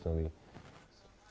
tak masalah buat word